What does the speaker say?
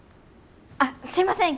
あっすいません